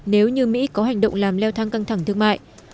nếu như mỹ có hành động làm leo thang căng thẳng thương mại